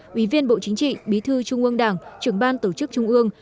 quý viên bộ chính trị bí thư trung ương đảng trưởng ban tổ chức trung ương